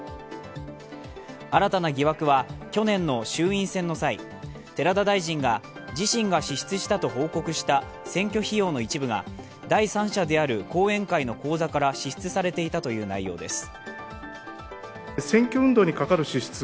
新たな疑惑は去年の衆院選の際、寺田大臣が自身が支出したと報告した選挙費用の一部が第三者である後援会の口座から支出されていたという内容です。